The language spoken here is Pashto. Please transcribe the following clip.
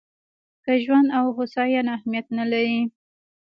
که ژوند او هوساینه اهمیت نه لري.